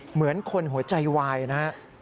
เหมือนคนหัวใจวายนะฮะ